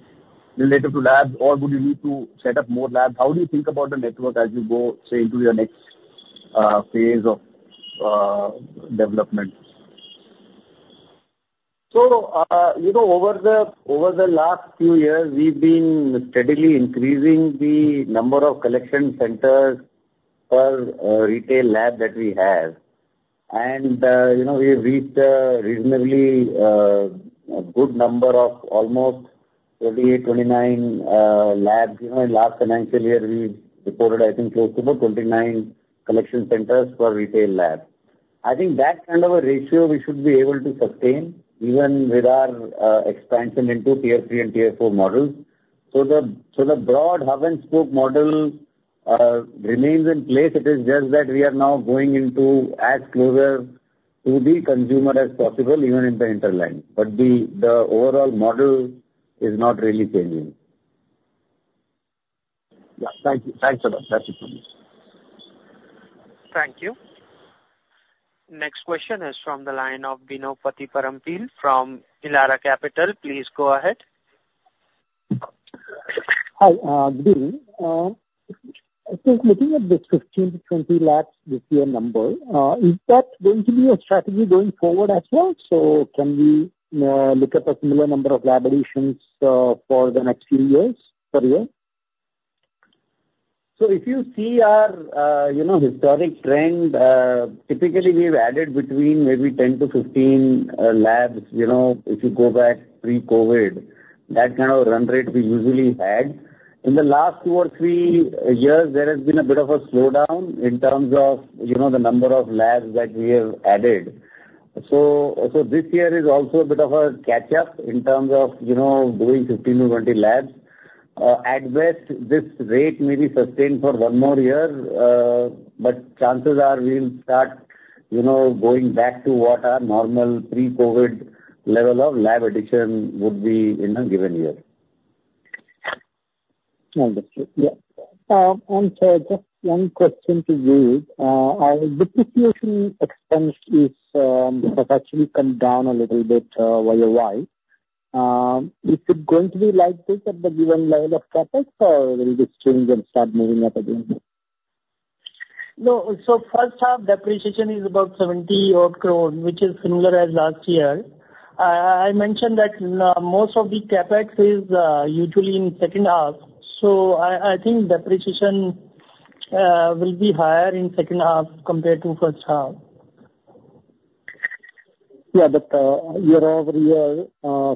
related to labs, or would you need to set up more labs? How do you think about the network as you go, say, into your next phase of development? So, you know, over the last few years, we've been steadily increasing the number of collection centers per retail lab that we have. And, you know, we've reached a reasonably a good number of almost twenty-eight, twenty-nine labs. You know, in last financial year, we recorded, I think, close to the twenty-nine collection centers per retail lab. I think that kind of a ratio we should be able to sustain even with our expansion into Tier 3 and Tier 4 models. So the broad hub-and-spoke model remains in place. It is just that we are now going into as closer to the consumer as possible, even in the hinterland. But the overall model is not really changing. Yeah, thank you. Thanks a lot. That's it from me. Thank you. Next question is from the line of Bino Pathiparampil from Elara Capital. Please go ahead. Hi, good evening. I think looking at this fifteen to twenty labs this year number, is that going to be a strategy going forward as well? So can we look at a similar number of lab additions, for the next few years per year? So if you see our historic trend, you know, typically we've added between maybe ten to fifteen labs. You know, if you go back pre-COVID, that kind of run rate we usually had. In the last two or three years, there has been a bit of a slowdown in terms of, you know, the number of labs that we have added. So this year is also a bit of a catch-up in terms of, you know, doing fifteen to twenty labs. At best, this rate may be sustained for one more year, but chances are we'll start, you know, going back to what our normal pre-COVID level of lab addition would be in a given year. Understood. Yeah. And, sir, just one question to you. Our depreciation expense has actually come down a little bit year-over-year. Is it going to be like this at the given level of CapEx, or will this change and start moving up again? No. So first half, depreciation is about seventy odd crore, which is similar as last year. I mentioned that most of the CapEx is usually in second half, so I think depreciation will be higher in second half compared to first half. Yeah, but year-over-year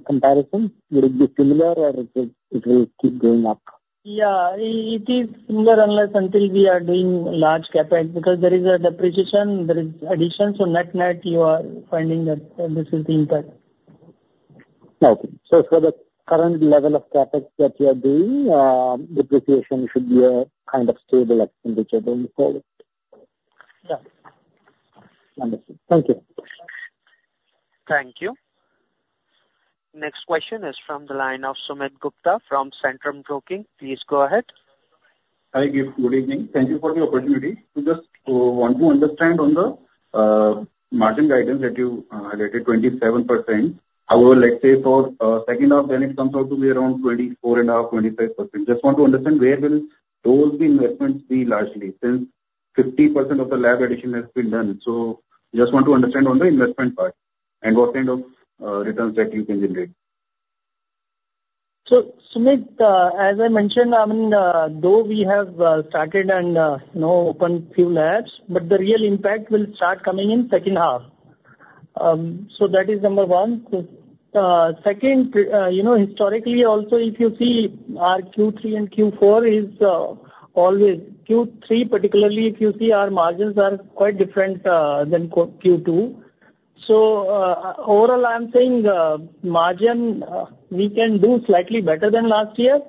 comparison, will it be similar or will it keep going up? Yeah, it is similar unless until we are doing large CapEx, because there is a depreciation, there is addition, so net-net, you are finding that this is the impact. Okay. So for the current level of CapEx that you are doing, depreciation should be kind of stable at which you're doing for it? Yeah. Understood. Thank you. Thank you. Next question is from the line of Sumit Gupta from Centrum Broking. Please go ahead. Hi, good evening. Thank you for the opportunity. So just want to understand on the margin guidance that you guided 27%. However, let's say for second half, then it comes out to be around 24.5%-25%. Just want to understand, where will those investments be largely, since 50% of the lab addition has been done? So just want to understand on the investment part and what kind of returns that you can generate. So Sumit, as I mentioned, I mean, though we have started and you know, opened few labs, but the real impact will start coming in second half. So that is number one. Second, you know, historically also, if you see our Q3 and Q4 is always. Q3, particularly if you see our margins are quite different than Q2. So overall, I'm saying, margin we can do slightly better than last year,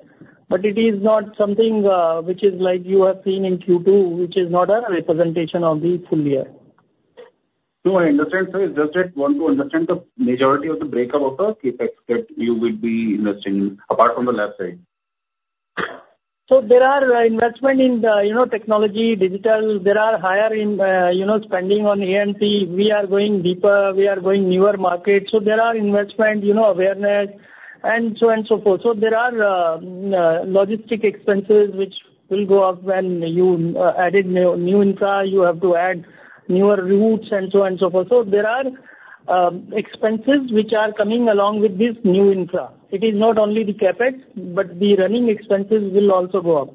but it is not something which is like you have seen in Q2, which is not a representation of the full year. No, I understand, sir. It's just that want to understand the majority of the breakup of the CapEx that you will be investing, apart from the lab side. So there are investment in the, you know, technology, digital. There are higher in, you know, spending on A&P. We are going deeper, we are going newer markets. So there are investment, you know, awareness and so on, so forth. So there are logistic expenses which will go up when you added new infra. You have to add newer routes and so on and so forth. So there are expenses which are coming along with this new infra. It is not only the CapEx, but the running expenses will also go up.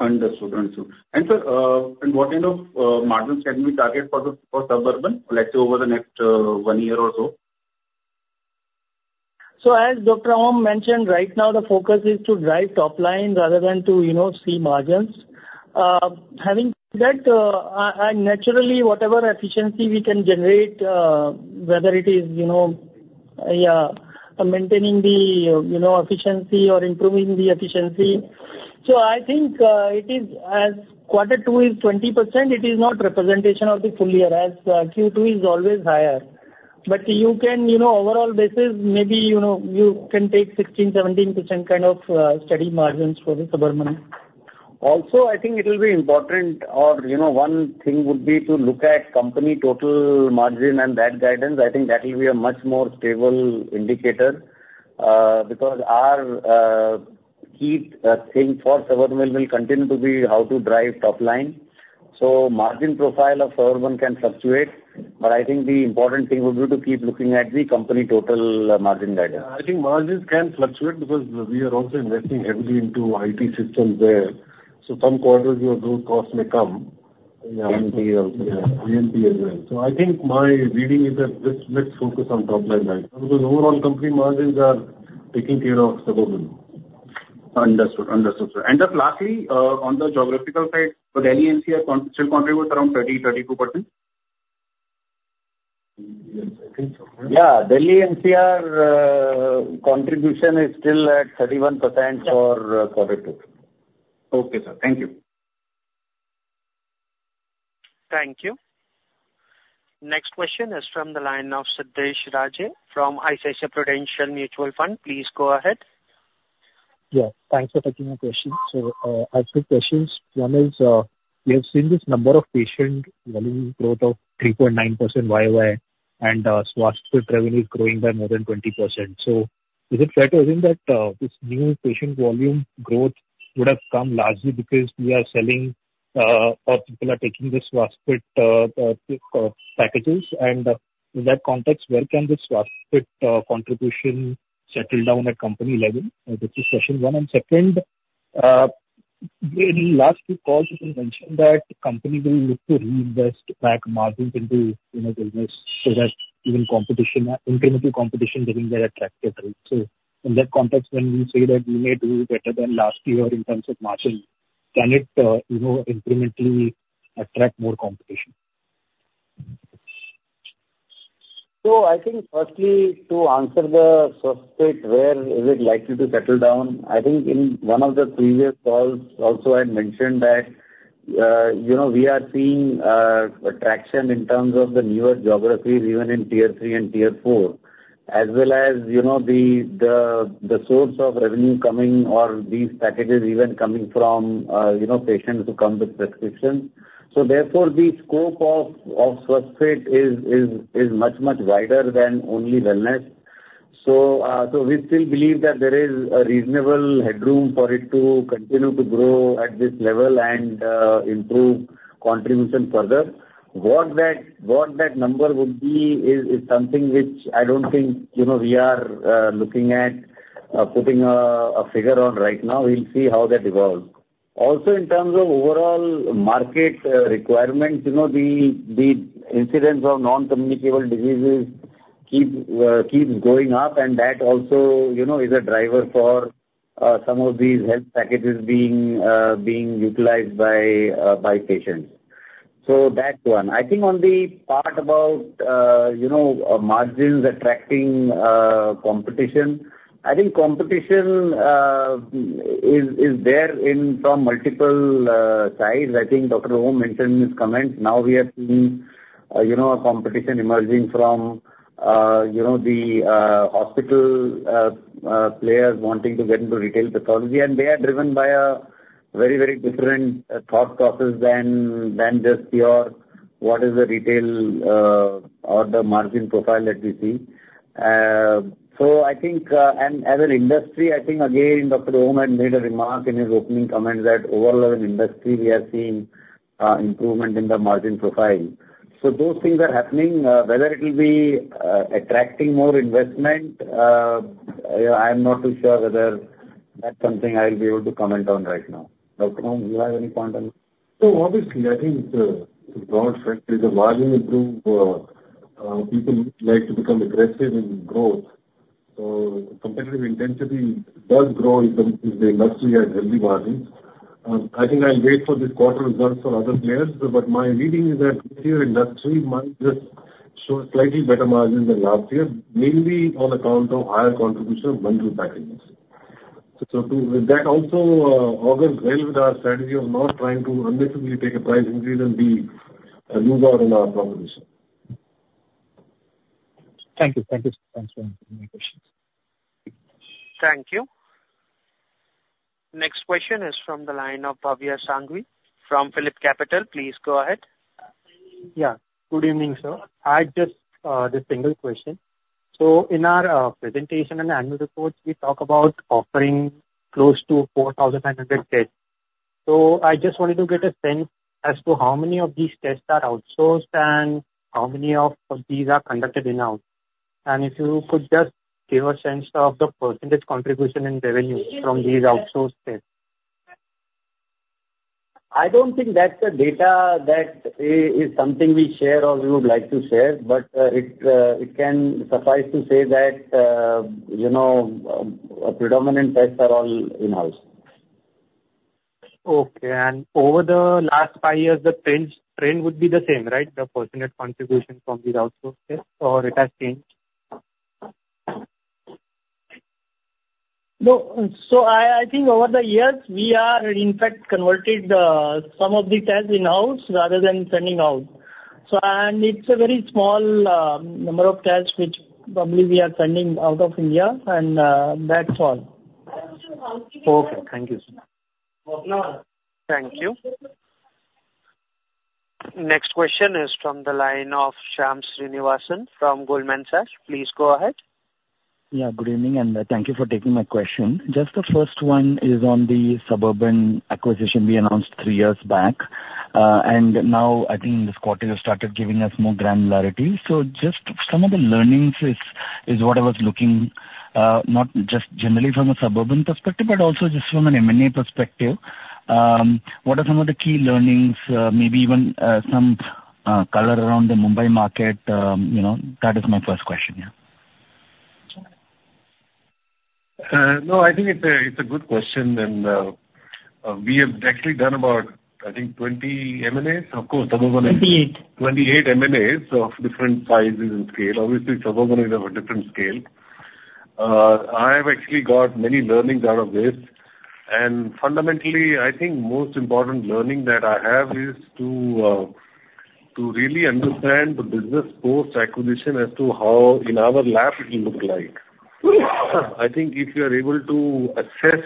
Understood. Understood. And sir, what kind of margins can we target for Suburban, let's say, over the next one year or so? So as Dr. Om mentioned, right now the focus is to drive top line rather than to, you know, see margins. Having said that, I, and naturally, whatever efficiency we can generate, whether it is, you know, yeah, maintaining the, you know, efficiency or improving the efficiency. So I think, it is as quarter two is 20%, it is not representation of the full year, as Q2 is always higher. But you can, you know, overall basis, maybe, you know, you can take 16%-17% kind of, steady margins for the suburban. Also, I think it will be important or, you know, one thing would be to look at company total margin and that guidance. I think that will be a much more stable indicator, because our key thing for Suburban will continue to be how to drive top line. So margin profile of Suburban can fluctuate, but I think the important thing would be to keep looking at the company total margin guidance. I think margins can fluctuate because we are also investing heavily into IT systems there, so some quarters your growth costs may come- A&P as well. A&P as well, so I think my reading is that let's, let's focus on top line, because overall company margins are taking care of Suburban. Understood. Understood, sir. And just lastly, on the geographical side, for Delhi NCR, still contribute around 30-32%? I think so. Yeah, Delhi NCR contribution is still at 31% for quarter two. Okay, sir. Thank you. Thank you. Next question is from the line of Siddhesh Raje from ICICI Prudential Mutual Fund. Please go ahead. Yeah, thanks for taking my question. So, I have two questions. One is, we have seen this number of patient volume growth of 3.9% YOY, and, SwasthFit revenue is growing by more than 20%. So is it fair to assume that, this new patient volume growth would have come largely because we are selling, or people are taking the SwasthFit, packages? And in that context, where can the SwasthFit, contribution settle down at company level? Which is question one. And second, in the last few calls, you mentioned that company will look to reinvest back margins into, you know, business so that even competition, incremental competition, getting their attractive rate. So in that context, when we say that we may do better than last year in terms of margin, can it, you know, incrementally attract more competition? So I think firstly, to answer the first bit, where is it likely to settle down? I think in one of the previous calls also I had mentioned that, you know, we are seeing traction in terms of the newer geographies, even in Tier 3 and Tier 4, as well as, you know, the source of revenue coming or these packages even coming from, you know, patients who come with prescription. So therefore, the scope of SwasthFit is much, much wider than only wellness. So we still believe that there is a reasonable headroom for it to continue to grow at this level and improve contribution further. What that number would be is something which I don't think, you know, we are looking at putting a figure on right now. We'll see how that evolves. Also, in terms of overall market requirements, you know, the incidence of non-communicable diseases keeps going up, and that also, you know, is a driver for some of these health packages being utilized by patients. So that's one. I think on the part about you know margins attracting competition, I think competition is there from multiple sides. I think Dr. Om mentioned in his comments. Now we are seeing you know a competition emerging from you know the hospital players wanting to get into retail pathology, and they are driven by a very very different thought process than just pure what is the retail or the margin profile that we see. So I think, and as an industry, I think again, Dr. Om had made a remark in his opening comments that overall in industry, we are seeing, improvement in the margin profile... So those things are happening, whether it will be, attracting more investment, I’m not too sure whether that’s something I’ll be able to comment on right now. Dr. Om, do you have any comment? So obviously, I think the broad factor is the volume improve. People like to become aggressive in growth. So competitive intensity does grow in the industry. It has healthy margins. I think I'll wait for this quarter results for other players. But my reading is that your industry might just show slightly better margins than last year, mainly on account of higher contribution of bundle packages. So too, with that also, aligns well with our strategy of not trying to unnecessarily take a price increase and be a loser in our proposition. Thank you. Thank you. Thanks for answering my questions. Thank you. Next question is from the line of Bhavya Sanghavi from PhillipCapital. Please go ahead. Yeah. Good evening, sir. I just have a single question. So in our presentation and annual reports, we talk about offering close to four thousand and a hundred tests. So I just wanted to get a sense as to how many of these tests are outsourced, and how many of these are conducted in-house? And if you could just give a sense of the percentage contribution in revenue from these outsourced tests. I don't think that's a data that is something we share or we would like to share, but it can suffice to say that you know our predominant tests are all in-house. Okay. And over the last five years, the trend would be the same, right? The percentage contribution from these outsourced tests, or it has changed? No, so I think over the years, we are in fact converted some of the tests in-house rather than sending out. So... and it's a very small number of tests which probably we are sending out of India, and that's all. Okay, thank you, sir. Thank you. Next question is from the line of Shyam Srinivasan from Goldman Sachs. Please go ahead. Yeah, good evening, and thank you for taking my question. Just the first one is on the Suburban acquisition we announced three years back, and now I think this quarter you started giving us more granularity. So just some of the learnings is what I was looking, not just generally from a Suburban perspective, but also just from an M&A perspective. What are some of the key learnings, maybe even some color around the Mumbai market? You know, that is my first question. Yeah. No, I think it's a good question, and we have actually done about, I think, twenty M&As. Of course, Suburban- Twenty-eight. 28 M&As of different sizes and scale. Obviously, Suburban is of a different scale. I've actually got many learnings out of this, and fundamentally, I think most important learning that I have is to really understand the business post-acquisition as to how in our lab it will look like. I think if you are able to assess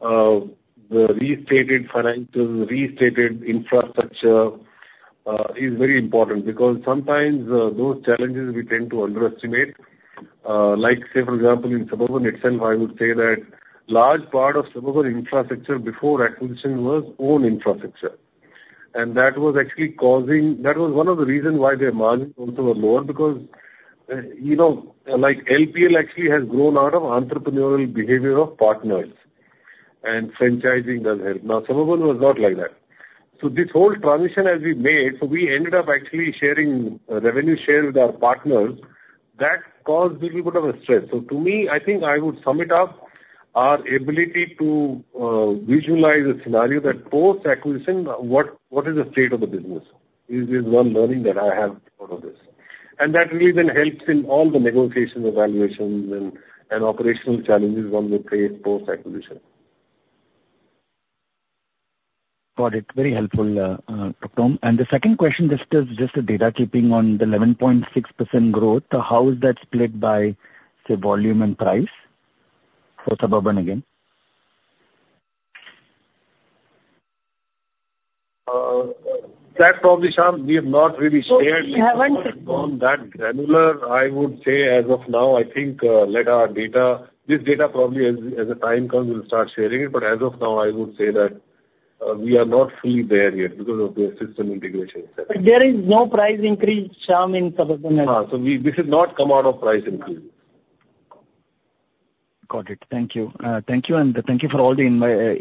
the restated financials, restated infrastructure is very important because sometimes those challenges we tend to underestimate. Like, say, for example, in Suburban itself, I would say that large part of Suburban infrastructure before acquisition was own infrastructure, and that was actually causing. That was one of the reasons why their margins also were lower, because you know, like, LPL actually has grown out of entrepreneurial behavior of partners, and franchising does help. Now, Suburban was not like that. So this whole transition as we made, so we ended up actually sharing revenue share with our partners. That caused little bit of a stress. So to me, I think I would sum it up, our ability to visualize a scenario that post-acquisition, what is the state of the business? Is one learning that I have out of this. And that really then helps in all the negotiations, evaluations and operational challenges one may face post-acquisition. Got it. Very helpful, Dr. Om. And the second question, just for data keeping on the 11.6% growth, how is that split by, say, volume and price for Suburban again? That probably, Shyam, we have not really shared- We haven't. On that granular. I would say as of now, I think, let our data. This data probably as the time comes, we'll start sharing it, but as of now, I would say that we are not fully there yet because of the system integration et cetera. But there is no price increase, Shyam, in Suburban. This has not come out of price increase. Got it. Thank you. Thank you, and thank you for all the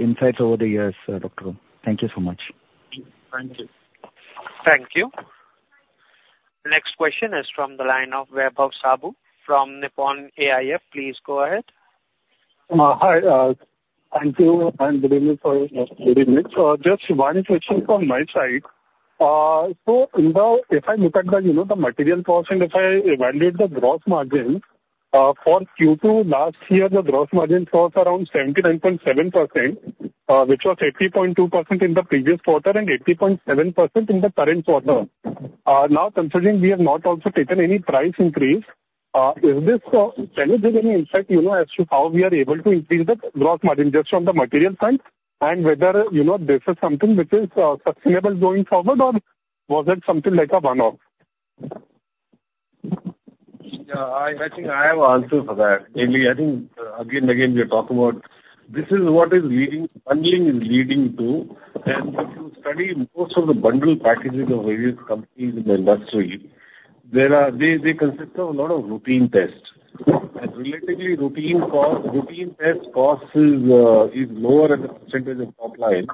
insights over the years, Dr. Om. Thank you so much. Thank you. Thank you. Next question is from the line of Vaibhav Saboo from Nippon AIF. Please go ahead. Hi, thank you, and good evening. Good evening. So just one question from my side. So in the, if I look at the, you know, the material cost, and if I evaluate the gross margin, for Q2 last year, the gross margin was around 79.7%, which was 80.2% in the previous quarter and 80.7% in the current quarter. Now, considering we have not also taken any price increase, is this, can you give any insight, you know, as to how we are able to increase the gross margin just from the material side, and whether, you know, this is something which is, sustainable going forward, or was it something like a one-off?... Yeah, I think I have an answer for that. Maybe I think, again and again, we are talking about this is what is leading, bundling is leading to. And if you study most of the bundle packages of various companies in the industry, they consist of a lot of routine tests. And relatively routine cost, routine test cost is lower as a percentage of top line,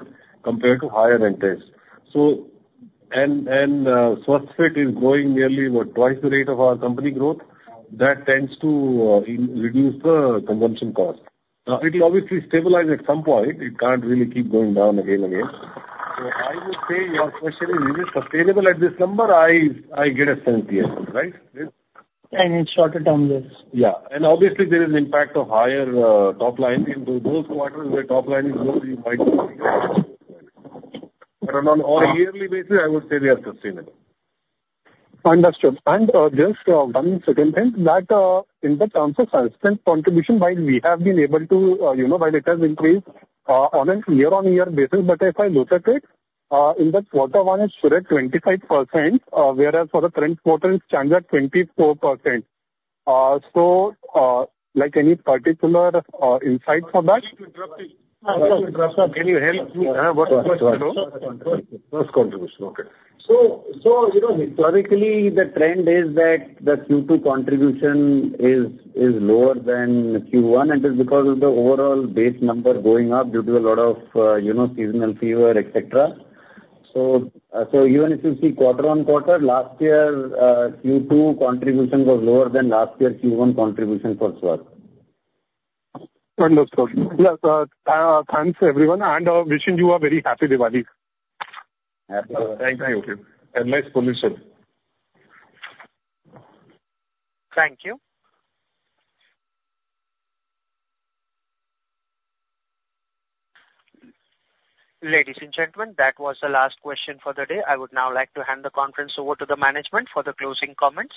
compared to higher end tests. So, and SwasthFit is growing nearly, what, twice the rate of our company growth, that tends to reduce the consumption cost. It'll obviously stabilize at some point. It can't really keep going down again and again. So I would say your question is, is it sustainable at this number? I get a sense, yes, right? In shorter term, yes. Yeah. And obviously, there is impact of higher top line in those quarters where top line is growing quite. But on a yearly basis, I would say they are sustainable. Understood. And, just, one second thing, that, in the terms of Suburban's contribution, while we have been able to, you know, while it has increased, on a year-on-year basis, but if I look at it, in the quarter one, it stood at 25%, whereas for the current quarter it stands at 24%. So, like any particular, insight for that? Can you help me? What was the last contribution? Okay. You know, historically, the trend is that the Q2 contribution is lower than Q1, and it's because of the overall base number going up due to a lot of you know, seasonal fever, et cetera. Even if you see quarter on quarter, last year, Q2 contribution was lower than last year Q1 contribution for SwasthFit. Understood. Yes, thanks, everyone, and wishing you a very happy Diwali! Happy Diwali. Thank you, and less pollution. Thank you. Ladies and gentlemen, that was the last question for the day. I would now like to hand the conference over to the management for the closing comments.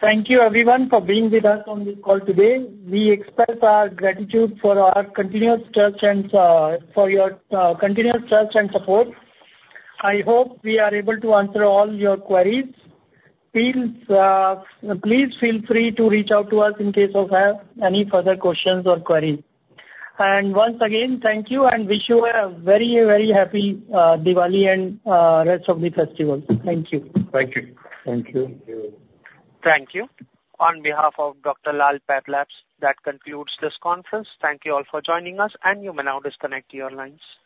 Thank you, everyone, for being with us on this call today. We express our gratitude for our continuous trust and for your continuous trust and support. I hope we are able to answer all your queries. Please, please feel free to reach out to us in case you have any further questions or queries. And once again, thank you and wish you a very, very happy Diwali and rest of the festival. Thank you. Thank you. Thank you. Thank you. On behalf of Dr. Lal PathLabs, that concludes this conference. Thank you all for joining us, and you may now disconnect your lines.